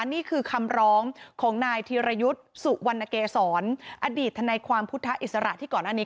นี่คือคำร้องของนายธีรยุทธ์สุวรรณเกษรอดีตทนายความพุทธอิสระที่ก่อนหน้านี้